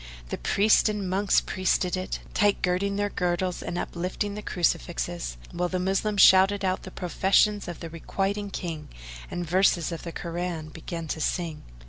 The priests and monks priested it, tight girding their girdles and uplifting the Crucifixes, while the Moslem shouted out the professions of the Requiting King and verses of the Koran began to sing.